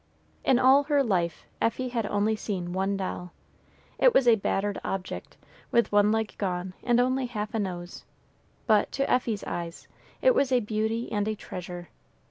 In all her life Effie had only seen one doll. It was a battered object, with one leg gone, and only half a nose, but, to Effie's eyes, it was a beauty and a treasure.